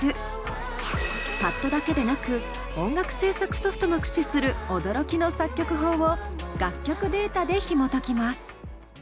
パッドだけでなく音楽制作ソフトも駆使する驚きの作曲法を楽曲データでひもときます。